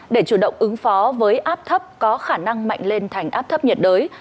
để chủ động ứng phó với áp thấp có khả năng mạnh lên thành áp thấp nhiệt đới